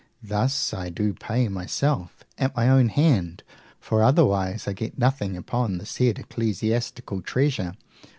Thus I do pay myself at my own hand, for otherwise I get nothing upon the said ecclesiastical treasure.